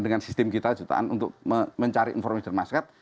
dengan sistem kita jutaan untuk mencari informasi dari masyarakat